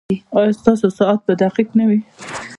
ایا ستاسو ساعت به دقیق نه وي؟